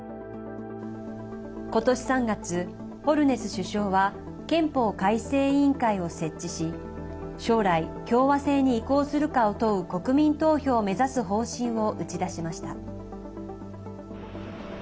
今年３月、ホルネス首相は憲法改正委員会を設置し将来、共和制に移行するかを問う国民投票を目指す方針を打ち出しました。